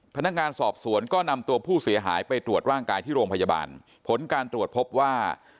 พนักงานสอบสวนก็นำตัวผู้เสียหายไปตรวจร่างกายที่โรงพยาบาลผลการตรวจพบว่า